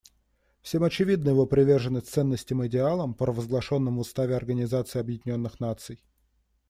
Всем очевидна его приверженность ценностям и идеалам, провозглашенным в Уставе Организации Объединенных Наций.